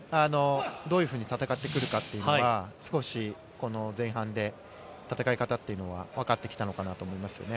どういうふうに戦ってくるかというのは少し前半で戦い方というのがわかってきたのかなと思います。